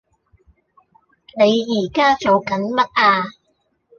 你宜家做緊乜呀？